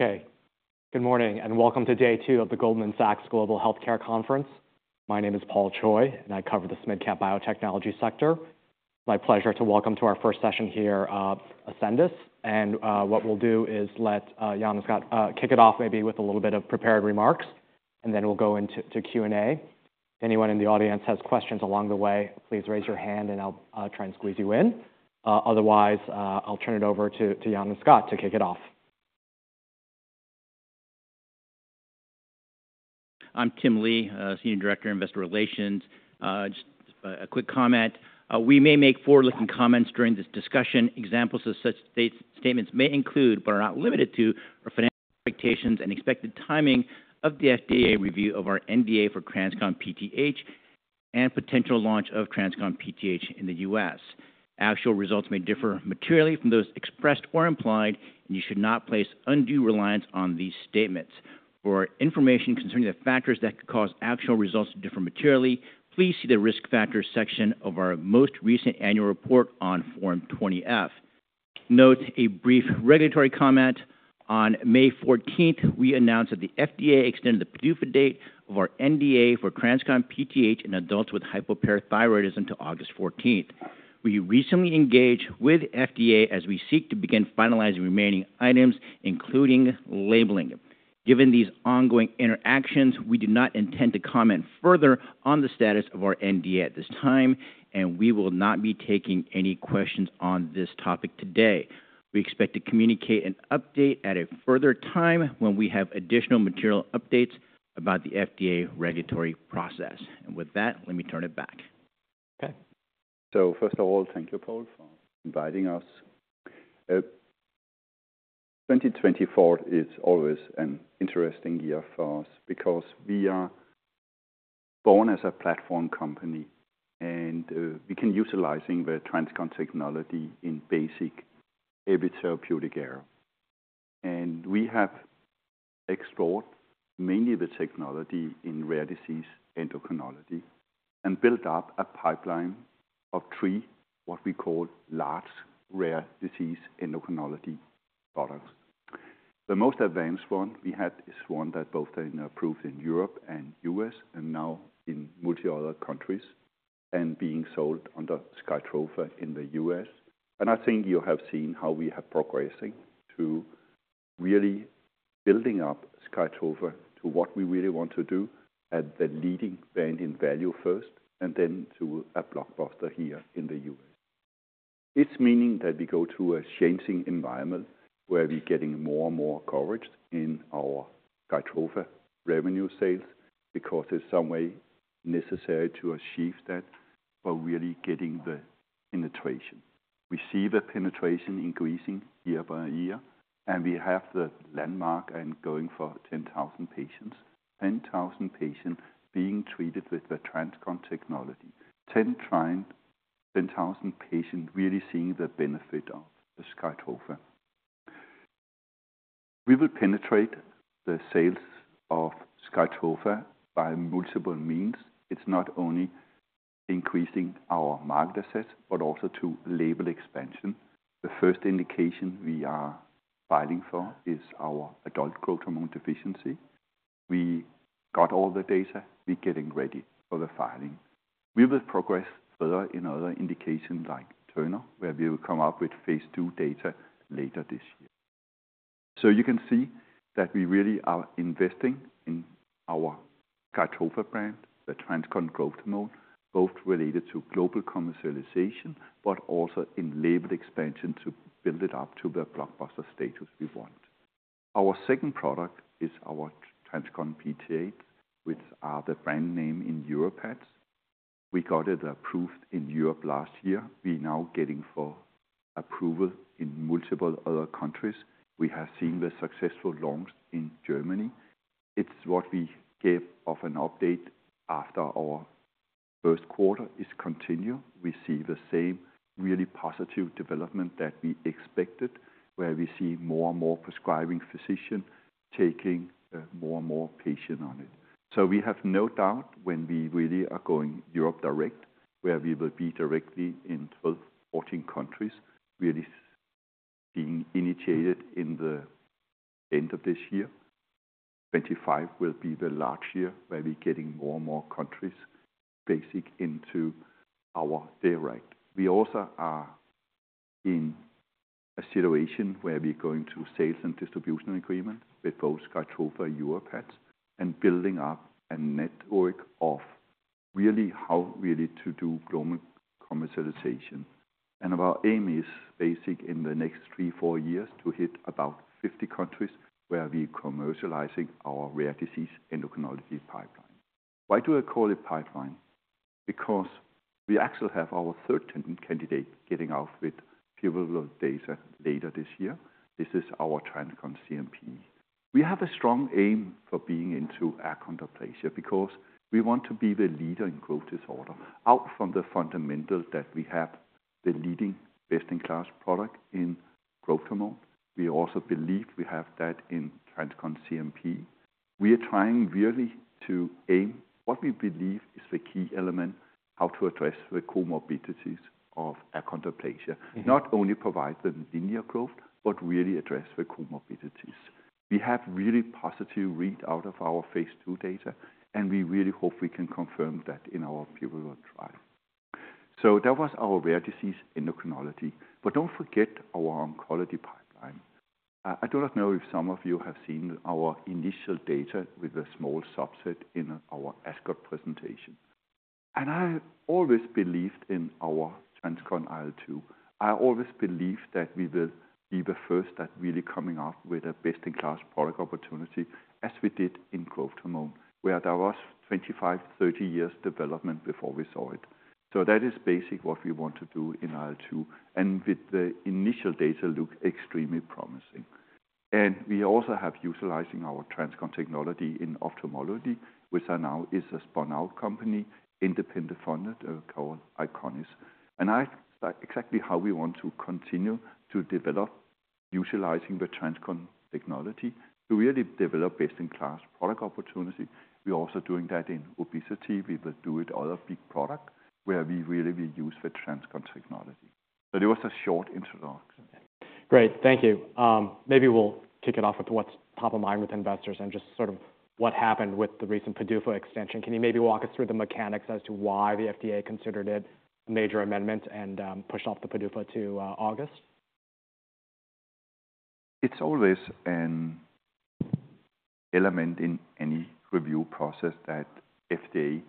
Okay. Good morning, and welcome to day two of the Goldman Sachs Global Healthcare Conference. My name is Paul Choi, and I cover the SMID-cap biotechnology sector. My pleasure to welcome to our first session here, Ascendis. And, what we'll do is let Jan and Scott kick it off maybe with a little bit of prepared remarks, and then we'll go into Q&A. If anyone in the audience has questions along the way, please raise your hand and I'll try and squeeze you in. Otherwise, I'll turn it over to Jan and Scott to kick it off. I'm Tim Lee, Senior Director, Investor Relations. Just a quick comment. We may make forward-looking comments during this discussion. Examples of such statements may include, but are not limited to, our financial expectations and expected timing of the FDA review of our NDA for TransCon PTH and potential launch of TransCon PTH in the U.S. Actual results may differ materially from those expressed or implied, and you should not place undue reliance on these statements. For information concerning the factors that could cause actual results to differ materially, please see the Risk Factors section of our most recent annual report on Form 20-F. Note, a brief regulatory comment. On May 14th, we announced that the FDA extended the PDUFA date of our NDA for TransCon PTH in adults with hypoparathyroidism until August 14th. We recently engaged with FDA as we seek to begin finalizing remaining items, including labeling. Given these ongoing interactions, we do not intend to comment further on the status of our NDA at this time, and we will not be taking any questions on this topic today. We expect to communicate an update at a further time when we have additional material updates about the FDA regulatory process. With that, let me turn it back. Okay. So first of all, thank you, Paul, for inviting us. 2024 is always an interesting year for us because we are born as a platform company, and we can utilizing the TransCon technology in basic every therapeutic area. And we have explored mainly the technology in rare disease endocrinology, and built up a pipeline of three, what we call large, rare disease endocrinology products. The most advanced one we had is one that both been approved in Europe and U.S., and now in multi other countries, and being sold under SKYTROFA in the U.S. And I think you have seen how we have progressing to really building up SKYTROFA to what we really want to do, at the leading brand in value first, and then to a blockbuster here in the U.S. It means that we go through a changing environment, where we're getting more and more coverage in our SKYTROFA revenue sales, because there's some way necessary to achieve that by really getting the penetration. We see the penetration increasing year by year, and we have the landmark and going for 10,000 patients. 10,000 patients being treated with the TransCon technology. 10,000 patients really seeing the benefit of the SKYTROFA. We will penetrate the sales of SKYTROFA by multiple means. It's not only increasing our market access, but also to label expansion. The first indication we are fighting for is our adult growth hormone deficiency. We got all the data, we're getting ready for the filing. We will progress further in other indications like Turner, where we will come up with phase II data later this year. So you can see that we really are investing in our SKYTROFA brand, the TransCon growth hormone, both related to global commercialization, but also in label expansion to build it up to the blockbuster status we want. Our second product is our TransCon PTH, which are the brand name in Europe, YORVIPATH. We got it approved in Europe last year. We're now getting for approval in multiple other countries. We have seen the successful launch in Germany. It's what we gave of an update after our first quarter is continue. We see the same really positive development that we expected, where we see more and more prescribing physicians taking, more and more patient on it. So we have no doubt when we really are going Europe direct, where we will be directly in 12, 14 countries, really being initiated in the end of this year. 2025 will be the big year, where we're getting more and more countries launching into our direct. We also are in a situation where we're going to sales and distribution agreement with both SKYTROFA and YORVIPATH, and building up a network of really how we need to do global commercialization. Our aim is basically in the next 3 years-4 years, to hit about 50 countries where we're commercializing our rare disease endocrinology pipeline. Why do I call it pipeline? Because we actually have our third TransCon candidate getting out with pivotal data later this year. This is our TransCon CNP. We have a strong aim for being into achondroplasia, because we want to be the leader in growth disorder. From the fundamentals that we have the leading best-in-class product in growth hormone, we also believe we have that in TransCon CNP. We are trying really to aim what we believe is the key element, how to address the comorbidities of achondroplasia. Not only provide the linear growth, but really address the comorbidities. We have really positive readout of our phase II data, and we really hope we can confirm that in our pivotal trial. So that was our rare disease endocrinology. But don't forget our oncology pipeline. I do not know if some of you have seen our initial data with a small subset in our ASCO presentation. And I always believed in our TransCon IL-2. I always believed that we will be the first at really coming up with a best-in-class product opportunity, as we did in growth hormone, where there was 25, 30 years development before we saw it. So that is basically what we want to do in IL-2, and with the initial data look extremely promising. We also have utilizing our TransCon technology in ophthalmology, which is now a spun-out company, independently funded, called Eyconis. And exactly how we want to continue to develop, utilizing the TransCon technology, to really develop best-in-class product opportunity. We're also doing that in obesity. We will do it other big product, where we really will use the TransCon technology. So that was a short introduction. Great. Thank you. Maybe we'll kick it off with what's top of mind with investors and just sort of what happened with the recent PDUFA extension. Can you maybe walk us through the mechanics as to why the FDA considered it a major amendment and pushed off the PDUFA to August? It's always an element in any review process that FDA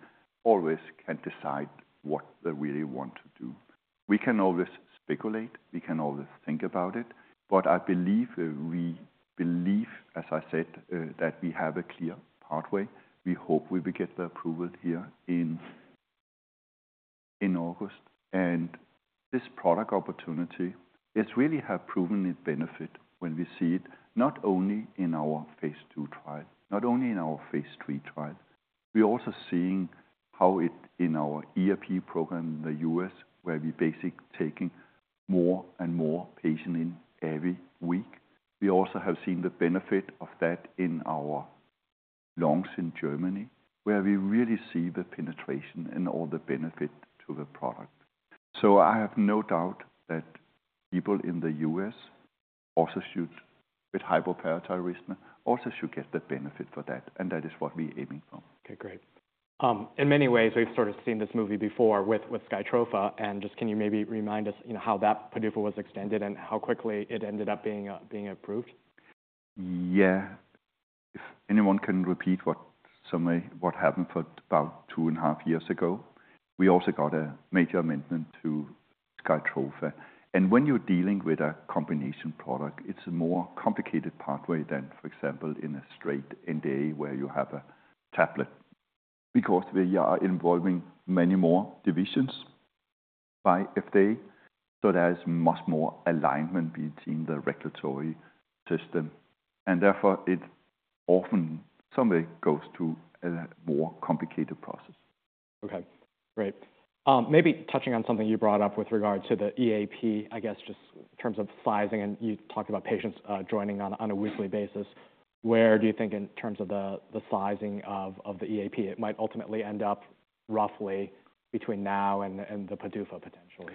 always can decide what they really want to do. We can always speculate, we can always think about it, but I believe, we believe, as I said, that we have a clear pathway. We hope we will get the approval here in, in August, and this product opportunity, it really have proven its benefit when we see it, not only in our phase II trial, not only in our phase III trial. We're also seeing how it in our EAP program in the U.S., where we basically taking more and more patient in every week. We also have seen the benefit of that in our launch in Germany, where we really see the penetration and all the benefit to the product. I have no doubt that people in the U.S. also should, with hypoparathyroidism, also should get the benefit for that, and that is what we're aiming for. Okay, great. In many ways, we've sort of seen this movie before with SKYTROFA, and just can you maybe remind us, you know, how that PDUFA was extended and how quickly it ended up being approved? Yeah. If anyone can repeat what happened about 2.5 years ago, we also got a major amendment to SKYTROFA. And when you're dealing with a combination product, it's a more complicated pathway than, for example, in a straight NDA, where you have a tablet, because we are involving many more divisions by FDA, so there is much more alignment between the regulatory system, and therefore, it often somebody goes through a more complicated process. Okay, great. Maybe touching on something you brought up with regard to the EAP, I guess, just in terms of sizing, and you talked about patients joining on a weekly basis. Where do you think in terms of the sizing of the EAP, it might ultimately end up roughly between now and the PDUFA potentially?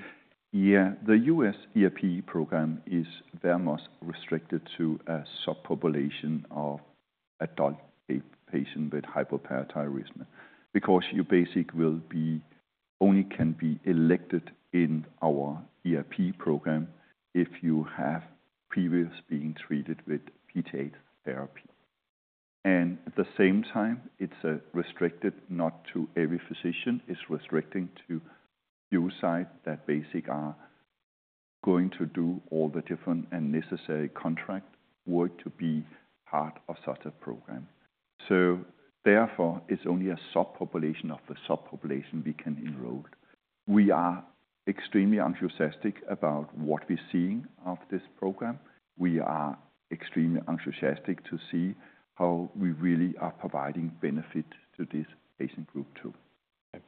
Yeah. The U.S. EAP program is very much restricted to a subpopulation of adult patients with hypoparathyroidism because you basically only can be eligible in our EAP program if you have previously been treated with PTH therapy. And at the same time, it's restricted not to every physician, it's restricted to a few sites that basically are going to do all the different and necessary contract work to be part of such a program. So therefore, it's only a subpopulation of the subpopulation we can enroll. We are extremely enthusiastic about what we're seeing of this program. We are extremely enthusiastic to see how we really are providing benefit to this patient group, too. Okay.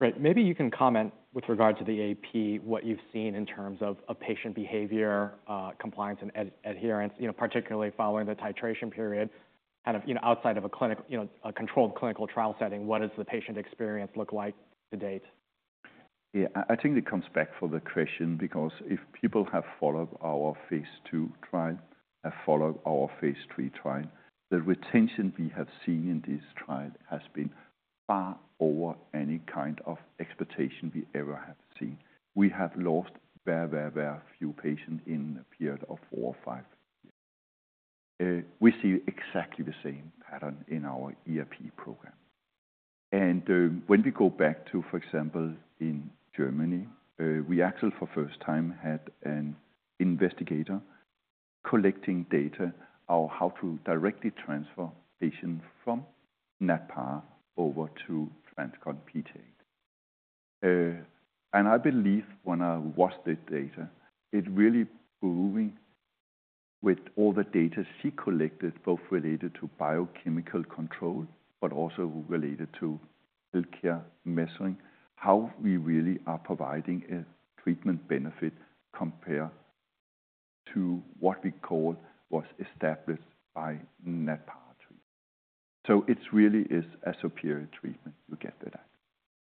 Great. Maybe you can comment with regard to the AP, what you've seen in terms of patient behavior, compliance and adherence, you know, particularly following the titration period. Kind of, you know, outside of a clinic, you know, a controlled clinical trial setting, what does the patient experience look like to date? Yeah, I think it comes back to the question because if people have followed our phase II trial, have followed our phase III trial, the retention we have seen in this trial has been far over any kind of expectation we ever have seen. We have lost very, very, very few patients in a period of four or five years. We see exactly the same pattern in our EAP program. And, when we go back to, for example, in Germany, we actually, for first time, had an investigator collecting data on how to directly transfer patients from Natpara over to TransCon PTH. And I believe when I watched this data, it really proving with all the data she collected, both related to biochemical control but also related to healthcare measures, how we really are providing a treatment benefit compared to what we call was established by Natpara treatment. So it's really is a superior treatment, you get that back.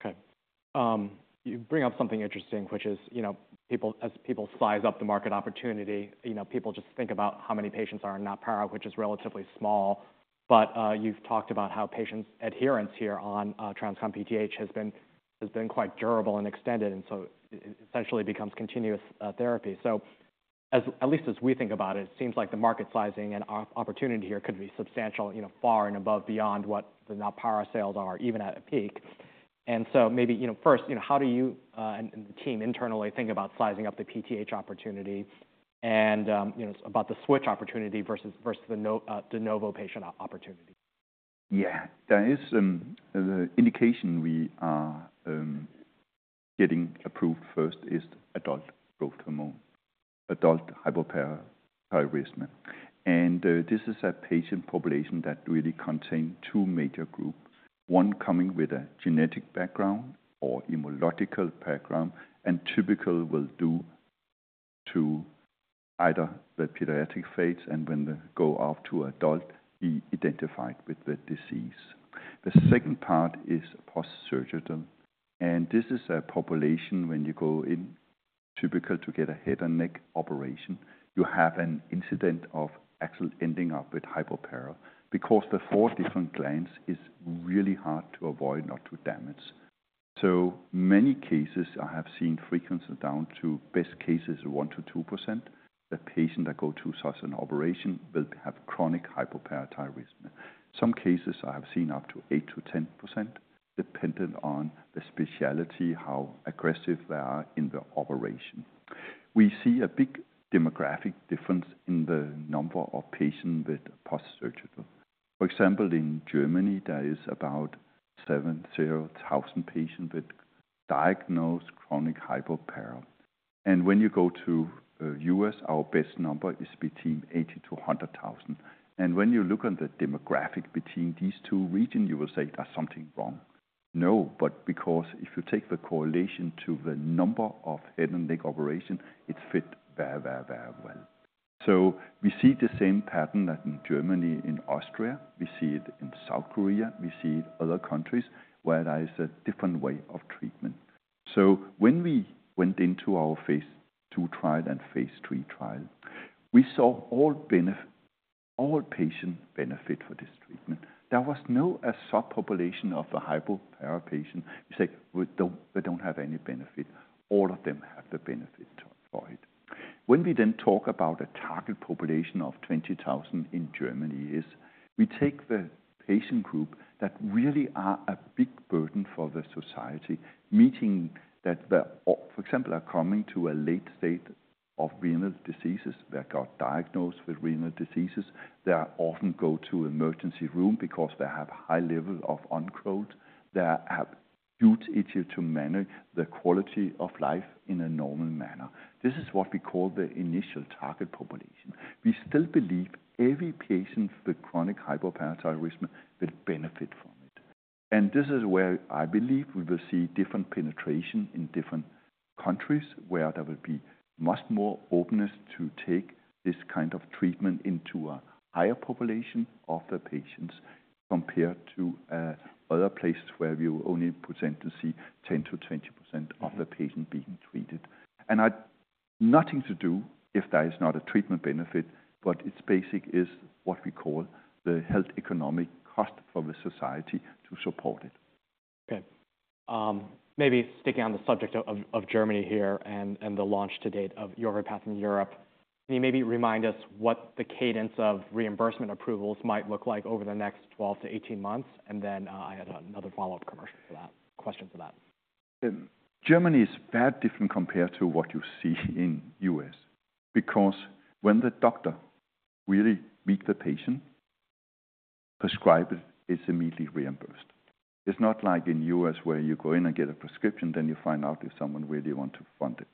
Okay. You bring up something interesting, which is, you know, as people size up the market opportunity, you know, people just think about how many patients are in Natpara, which is relatively small. But, you've talked about how patients' adherence here on TransCon PTH has been quite durable and extended, and so essentially becomes continuous therapy. So as, at least as we think about it, seems like the market sizing and opportunity here could be substantial, you know, far and above beyond what the Natpara sales are, even at a peak. And so maybe, you know, first, you know, how do you, and the team internally think about sizing up the PTH opportunity and, you know, about the switch opportunity versus the de novo patient opportunity? Yeah. There is the indication we are getting approved first is adult growth hormone, adult hypoparathyroidism. This is a patient population that really contain two major group. One coming with a genetic background or immunological background, and typically due to either the pediatric phase and when they go up to adult, be identified with the disease. The second part is post-surgical, and this is a population when you go in, typically to get a head and neck operation, you have an incidence of actually ending up with hypoparathyroidism, because the four different glands is really hard to avoid, not to damage. So many cases I have seen frequency down to best cases, 1%-2%. The patient that go to such an operation will have chronic hypoparathyroidism. Some cases I have seen up to 8%-10%, dependent on the specialty, how aggressive they are in the operation. We see a big demographic difference in the number of patients with post-surgical. For example, in Germany, there is about 70,000 patients with diagnosed chronic hypoparathyroidism. And when you go to, U.S., our best number is between 80,000-100,000. And when you look on the demographic between these two regions, you will say, "There's something wrong." No, but because if you take the correlation to the number of head and neck operation, it fit very, very, very well. So we see the same pattern that in Germany, in Austria, we see it in South Korea, we see it other countries where there is a different way of treatment. So when we went into our phase II trial and phase III trial, we saw all patient benefit for this treatment. There was no subpopulation of the hypoparathyroidism patient, we say, "We don't, we don't have any benefit." All of them have the benefit for it. When we then talk about a target population of 20,000 in Germany, we take the patient group that really are a big burden for the society, meaning that, for example, are coming to a late stage of renal diseases. They got diagnosed with renal diseases. They often go to emergency room because they have high level of calcium, they have huge issue to manage their quality of life in a normal manner. This is what we call the initial target population. We still believe every patient with chronic hypoparathyroidism will benefit from it. This is where I believe we will see different penetration in different countries, where there will be much more openness to take this kind of treatment into a higher population of the patients, compared to other places where we only potentially see 10%-20% of the patient being treated. Nothing to do if there is not a treatment benefit, but its basis is what we call the health economic cost for the society to support it. Okay. Maybe sticking on the subject of Germany here and the launch to date of YORVIPATH in Europe. Can you maybe remind us what the cadence of reimbursement approvals might look like over the next 12 months-18 months? And then, I had another follow-up commercial question for that. Germany is very different compared to what you see in U.S., because when the doctor really meet the patient, prescribe it, it's immediately reimbursed. It's not like in U.S., where you go in and get a prescription, then you find out if someone really want to fund it.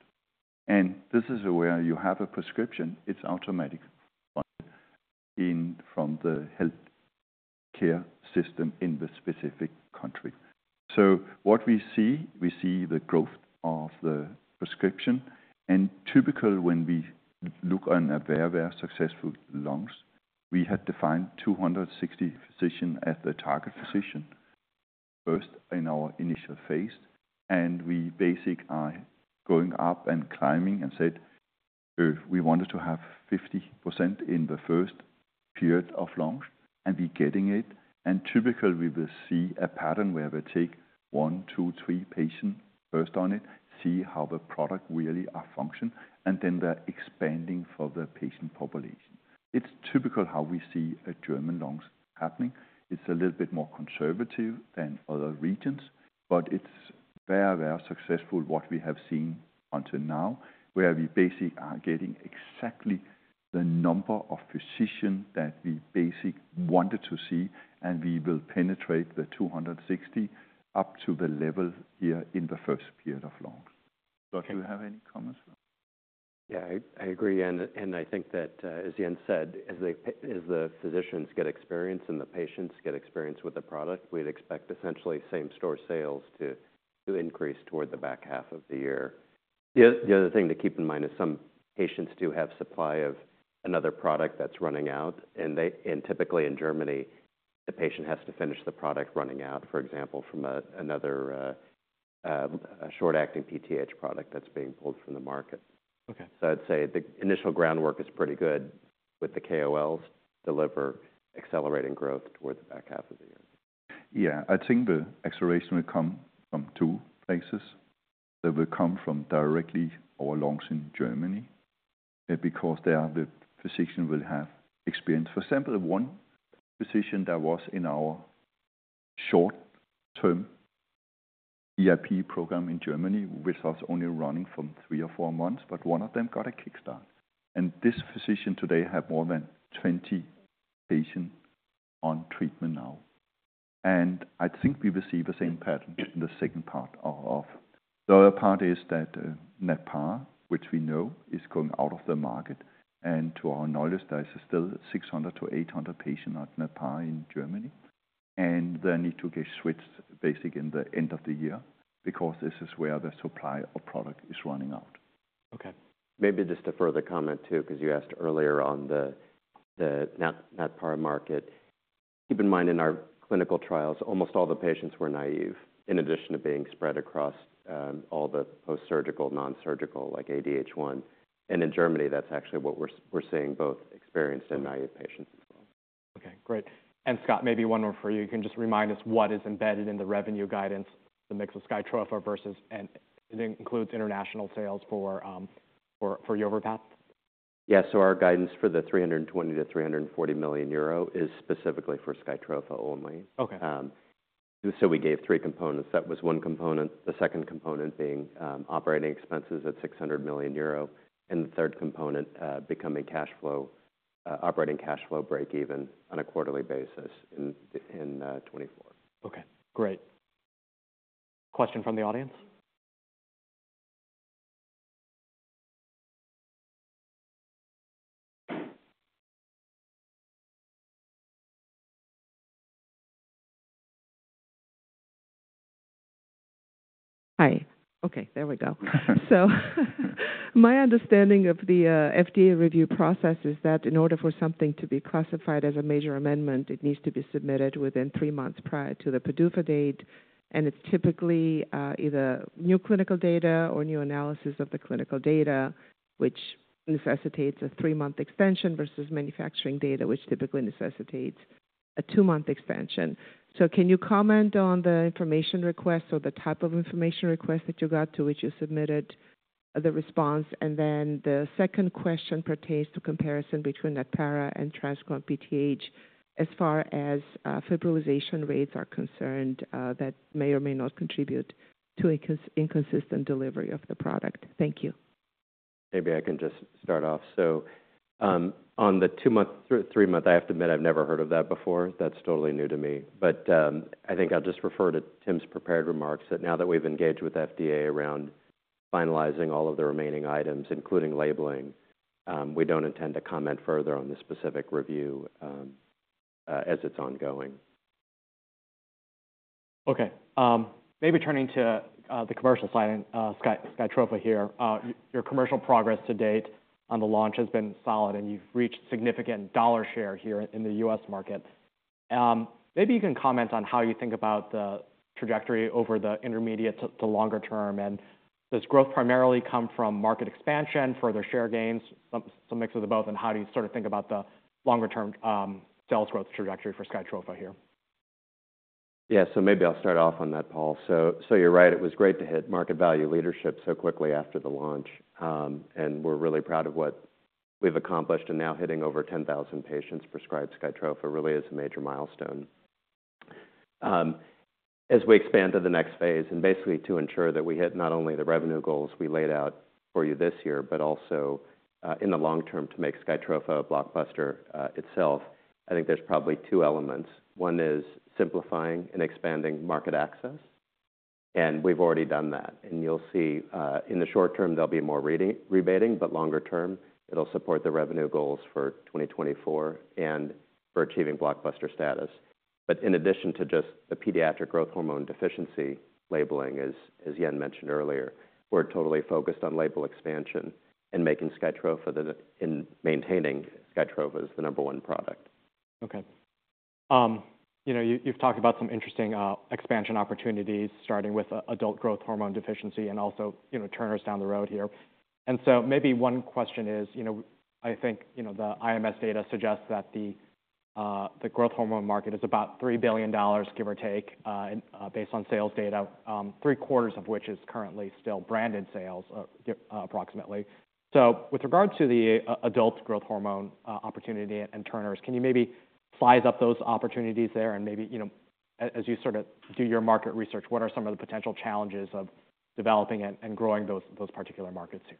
And this is where you have a prescription, it's automatic funding in from the healthcare system in the specific country. So what we see, we see the growth of the prescription, and typically, when we look on a very, very successful launch, we had defined 260 physicians as the target physicians, first in our initial phase, and we basically are going up and climbing and said, "We wanted to have 50% in the first period of launch, and we getting it." And typically, we will see a pattern where they take one, two, three patients first on it, see how the product really are function, and then they're expanding for the patient population. It's typical how we see a German launch happening. It's a little bit more conservative than other regions, but it's very, very successful, what we have seen until now, where we basically are getting exactly the number of physicians that we basically wanted to see, and we will penetrate the 260 up to the level here in the first period of launch. Scott, do you have any comments? Yeah, I agree, and I think that, as Jan said, as the physicians get experience and the patients get experience with the product, we'd expect essentially same store sales to increase toward the back half of the year. The other thing to keep in mind is some patients do have supply of another product that's running out, and they. And typically in Germany the patient has to finish the product running out, for example, from another short-acting PTH product that's being pulled from the market. Okay. So I'd say the initial groundwork is pretty good, with the KOLs deliver accelerating growth towards the back half of the year. Yeah, I think the acceleration will come from two places. They will come from directly our launch in Germany, because there, the physician will have experience. For example, one physician that was in our short-term VIP program in Germany, which was only running from three or four months, but one of them got a kickstart. And this physician today have more than 20 patients on treatment now. And I think we will see the same pattern in the second part of. The other part is that, Natpara, which we know is going out of the market, and to our knowledge, there is still 600 patients-800 patients on Natpara in Germany, and they need to get switched basic in the end of the year because this is where the supply of product is running out. Okay. Maybe just a further comment, too, because you asked earlier on the Natpara market. Keep in mind, in our clinical trials, almost all the patients were naive, in addition to being spread across all the post-surgical, nonsurgical, like ADH1. And in Germany, that's actually what we're seeing, both experienced and naive patients as well. Okay, great. And Scott, maybe one more for you. You can just remind us what is embedded in the revenue guidance, the mix of SKYTROFA versus, and it includes international sales for YORVIPATH? Yes. So our guidance for the 320 million-340 million euro is specifically for SKYTROFA only. Okay. So we gave three components. That was one component, the second component being, operating expenses at 600 million euro, and the third component, becoming cash flow, operating cash flow break even on a quarterly basis in 2024. Okay, great. Question from the audience? Hi. Okay, there we go. So my understanding of the FDA review process is that in order for something to be classified as a major amendment, it needs to be submitted within three months prior to the PDUFA date, and it's typically either new clinical data or new analysis of the clinical data, which necessitates a three-month extension versus manufacturing data, which typically necessitates a two-month extension. So can you comment on the information request or the type of information request that you got, to which you submitted the response? And then the second question pertains to comparison between Natpara and TransCon PTH, as far as fibrillization rates are concerned, that may or may not contribute to an inconsistent delivery of the product. Thank you. Maybe I can just start off. On the 2-month, 3-month, I have to admit, I've never heard of that before. That's totally new to me. I think I'll just refer to Tim's prepared remarks, that now that we've engaged with FDA around finalizing all of the remaining items, including labeling, we don't intend to comment further on the specific review, as it's ongoing. Okay, maybe turning to the commercial side and SKYTROFA here. Your commercial progress to date on the launch has been solid, and you've reached significant dollar share here in the U.S. market. Maybe you can comment on how you think about the trajectory over the intermediate to longer term, and does growth primarily come from market expansion, further share gains, some mix of both, and how do you sort of think about the longer-term sales growth trajectory for SKYTROFA here? Yeah. So maybe I'll start off on that, Paul. So, so you're right, it was great to hit market value leadership so quickly after the launch. And we're really proud of what we've accomplished and now hitting over 10,000 patients prescribed SKYTROFA really is a major milestone. As we expand to the next phase, and basically to ensure that we hit not only the revenue goals we laid out for you this year, but also, in the long term, to make SKYTROFA a blockbuster, itself, I think there's probably two elements. One is simplifying and expanding market access, and we've already done that. And you'll see, in the short term, there'll be more rebating, but longer term, it'll support the revenue goals for 2024 and for achieving blockbuster status. But in addition to just the pediatric growth hormone deficiency labeling, as Jan mentioned earlier, we're totally focused on label expansion and making SKYTROFA the, in maintaining SKYTROFA as the number one product. Okay. You know, you, you've talked about some interesting expansion opportunities, starting with adult growth hormone deficiency and also, you know, Turners down the road here. And so maybe one question is, you know, I think, you know, the IMS data suggests that the growth hormone market is about $3 billion, give or take, based on sales data, three-quarters of which is currently still branded sales, yep, approximately. So with regard to the adult growth hormone opportunity and Turners, can you maybe size up those opportunities there? And maybe, you know, as you sort of do your market research, what are some of the potential challenges of developing and growing those particular markets here?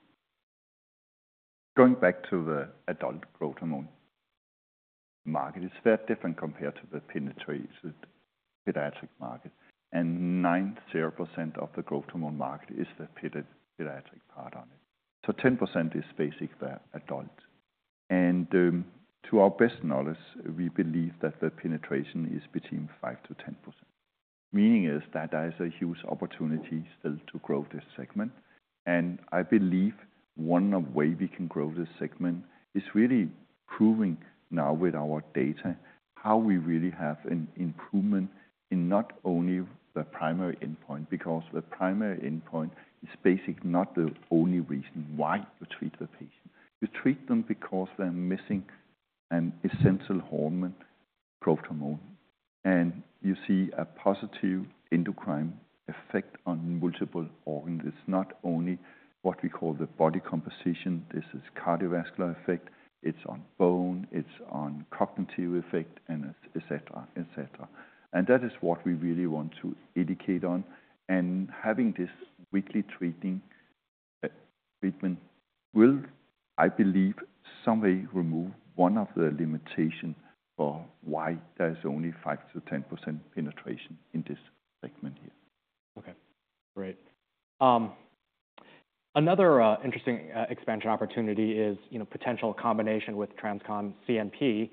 Going back to the adult growth hormone market, is very different compared to the penetrated pediatric market, and 90% of the growth hormone market is the pediatric part on it. So 10% is basically the adult. And, to our best knowledge, we believe that the penetration is between 5%-10%. Meaning is that there is a huge opportunity still to grow this segment, and I believe one of way we can grow this segment is really proving now with our data, how we really have an improvement in not only the primary endpoint, because the primary endpoint is basically not the only reason why you treat the patient. You treat them because they're missing an essential hormone, growth hormone, and you see a positive endocrine effect on multiple organs. It's not only what we call the body composition. This is cardiovascular effect, it's on bone, it's on cognitive effect, and et cetera, et cetera. That is what we really want to educate on. Having this weekly treatment, I believe, will someday remove one of the limitations for why there's only 5%-10% penetration in this segment here. Okay, great. Another interesting expansion opportunity is, you know, potential combination with TransCon CNP,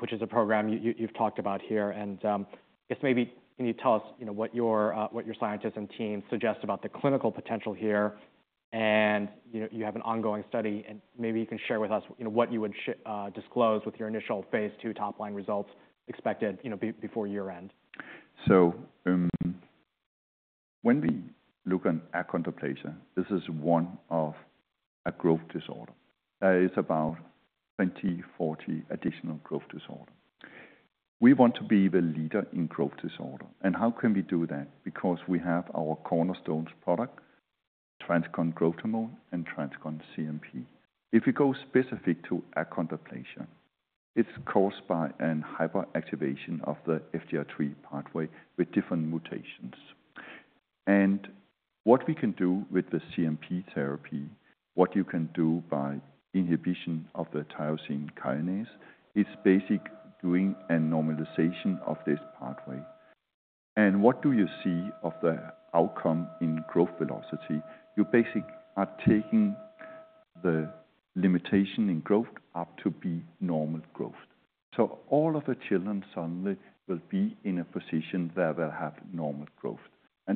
which is a program you've talked about here. And, I guess maybe can you tell us, you know, what your scientists and teams suggest about the clinical potential here? And, you know, you have an ongoing study, and maybe you can share with us, you know, what you would disclose with your initial phase II top-line results expected before year-end. So, when we look on achondroplasia, this is one of a growth disorder. There is about 20-40 additional growth disorder. We want to be the leader in growth disorder, and how can we do that? Because we have our cornerstones product, TransCon Growth Hormone and TransCon CNP. If you go specific to achondroplasia, it's caused by a hyperactivation of the FGFR3 pathway with different mutations. And what we can do with the CNP therapy, what you can do by inhibition of the tyrosine kinase, is basic doing a normalization of this pathway. And what do you see of the outcome in growth velocity? You basically are taking the limitation in growth up to be normal growth. So all of the children suddenly will be in a position where they'll have normal growth.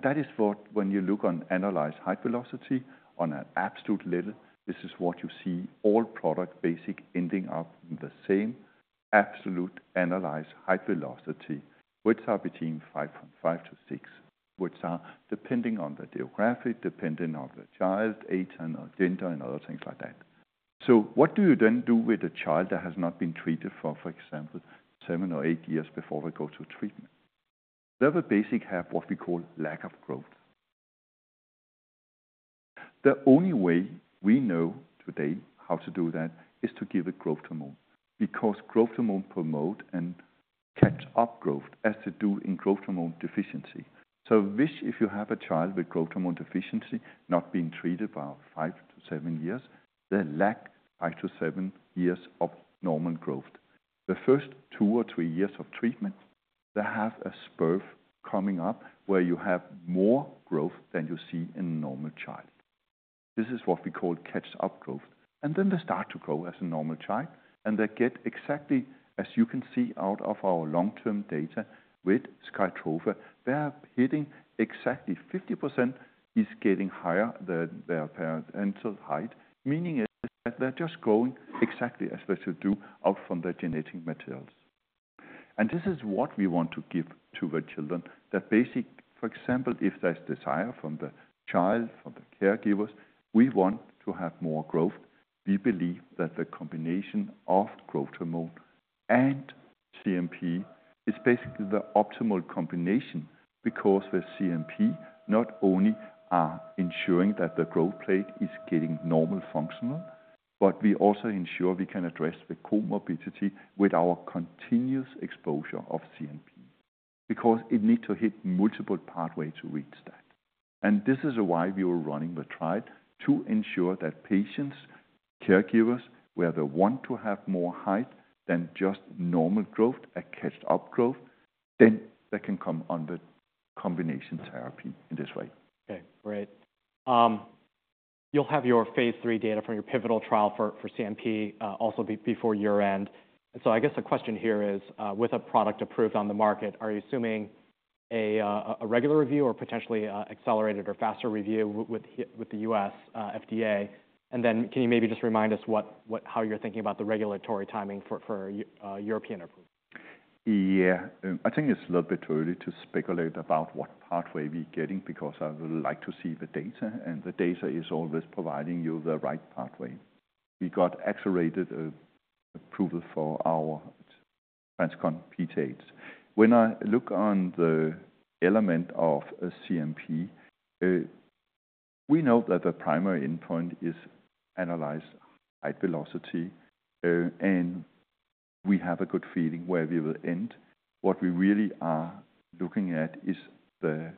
That is what when you look on annualized height velocity on an absolute level, this is what you see all products basically ending up in the same absolute annualized height velocity, which are between 5.5-6, which are depending on the geographic, depending on the child, age, and gender, and other things like that. So what do you then do with a child that has not been treated for, for example, seven or eight years before they go to treatment? They will basically have what we call lack of growth. The only way we know today how to do that is to give a growth hormone, because growth hormone promote and catch up growth, as they do in growth hormone deficiency. So, if you have a child with growth hormone deficiency, not being treated by 5 years-7 years, they lack 5 years-7 years of normal growth. The first two or three years of treatment, they have a spurt coming up where you have more growth than you see in a normal child. This. This is what we call catch-up growth. And then they start to grow as a normal child, and they get exactly, as you can see out of our long-term data with SKYTROFA, they are hitting exactly 50% is getting higher than their parental height, meaning is that they're just growing exactly as they should do out from their genetic materials. And this is what we want to give to the children. The basic, for example, if there's desire from the child, from the caregivers, we want to have more growth. We believe that the combination of growth hormone and CNP is basically the optimal combination because the CNP not only are ensuring that the growth plate is getting normal functional, but we also ensure we can address the comorbidity with our continuous exposure of CNP, because it need to hit multiple pathway to reach that. And this is why we were running the trial, to ensure that patients, caregivers, where they want to have more height than just normal growth, a catch-up growth, then they can come on the combination therapy in this way. Okay, great. You'll have your phase III data from your pivotal trial for CNP also before year-end. And so I guess the question here is, with a product approved on the market, are you assuming a regular review or potentially accelerated or faster review with the U.S. FDA? And then can you maybe just remind us what, how you're thinking about the regulatory timing for European approval? Yeah. I think it's a little bit early to speculate about what pathway we're getting, because I would like to see the data, and the data is always providing you the right pathway. We got accelerated approval for our TransCon PTH. When I look on the element of a CNP, we know that the primary endpoint is annualized height velocity, and we have a good feeling where we will end. What we really are looking at is the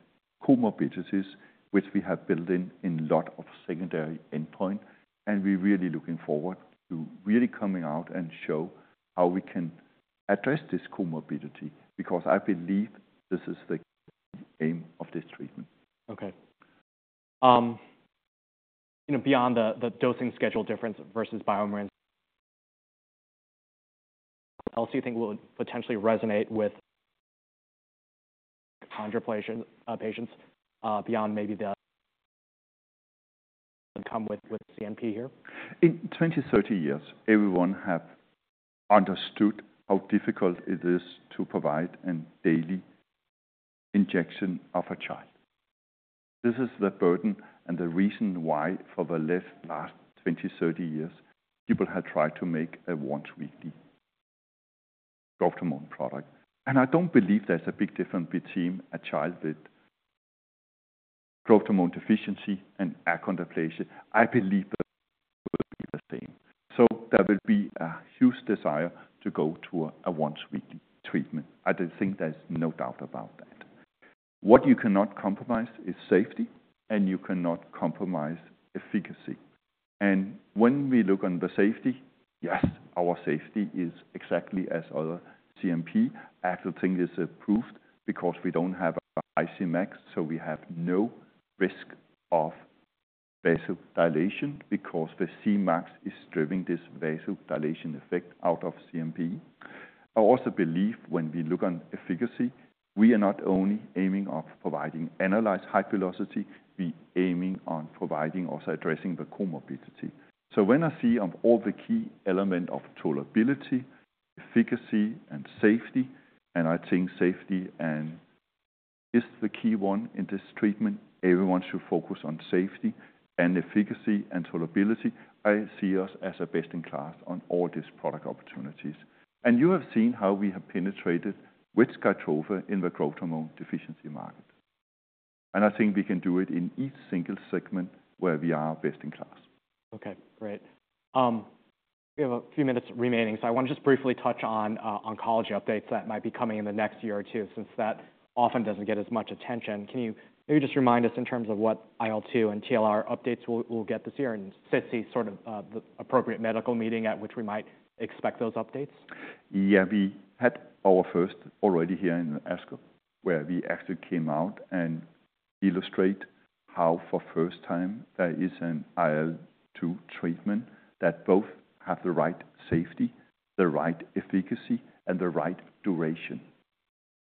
comorbidities, which we have built in, in lot of secondary endpoint, and we're really looking forward to really coming out and show how we can address this comorbidity, because I believe this is the aim of this treatment. Okay. You know, beyond the dosing schedule difference versus BioMarin's, what else do you think will potentially resonate with achondroplasia patients, beyond maybe the comfort with CNP here? In 20 years-30 years, everyone have understood how difficult it is to provide an daily injection of a child. This is the burden and the reason why for the last 20 years-30 years, people have tried to make a once-weekly growth hormone product. And I don't believe there's a big difference between a child with growth hormone deficiency and achondroplasia. I believe that will be the same. So there will be a huge desire to go to a, a once-weekly treatment. I do think there's no doubt about that. What you cannot compromise is safety, and you cannot compromise efficacy. And when we look on the safety, yes, our safety is exactly as other CNP. I still think it's approved because we don't have a Cmax, so we have no risk of vasodilation because the Cmax is driving this vasodilation effect out of CNP. I also believe when we look on efficacy, we are not only aiming of providing annualized height velocity, we aiming on providing, also addressing the comorbidity. So when I see on all the key element of tolerability, efficacy, and safety, and I think safety and is the key one in this treatment, everyone should focus on safety and efficacy and tolerability. I see us as a best-in-class on all these product opportunities. And you have seen how we have penetrated with SKYTROFA in the growth hormone deficiency market. And I think we can do it in each single segment where we are best-in-class. Okay, great. We have a few minutes remaining, so I want to just briefly touch on oncology updates that might be coming in the next year or two, since that often doesn't get as much attention. Can you maybe just remind us in terms of what IL-2 and TLR updates we'll get this year and set the sort of the appropriate medical meeting at which we might expect those updates? Yeah, we had our first already here in ASCO, where we actually came out and illustrate how, for first time, there is an IL-2 treatment that both have the right safety, the right efficacy, and the right duration.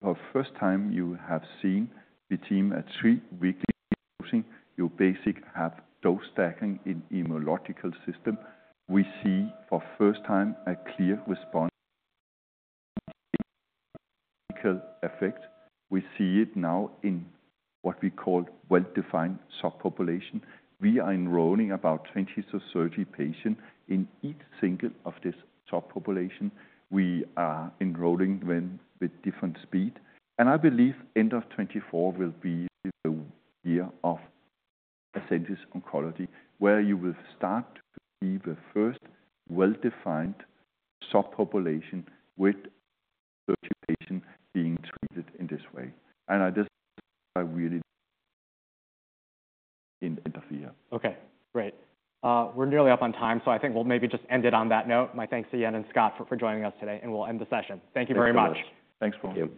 For first time, you have seen the team at three weekly, using your basic have dose stacking in immunological system. We see for first time a clear response effect. We see it now in what we call well-defined subpopulation. We are enrolling about 20 patients-30 patients in each single of this subpopulation. We are enrolling them with different speed, and I believe end of 2024 will be the year of Ascendis Oncology, where you will start to see the first well-defined subpopulation with 30 patients being treated in this way. And I just, I really end of the year. Okay, great. We're nearly up on time, so I think we'll maybe just end it on that note. My thanks to Jan and Scott for joining us today, and we'll end the session. Thank you very much. Thanks, Paul.